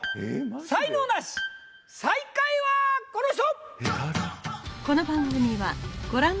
才能ナシ最下位はこの人！